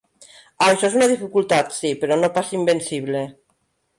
Això és una dificultat, sí, però no pas invencible.